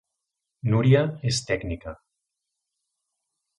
Núria és tècnica